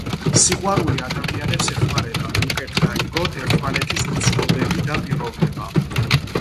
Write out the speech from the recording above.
სიყვარული ადამიანებს ეხმარება, უკეთ გაიგონ ერთმანეთის გრძნობები და პიროვნება.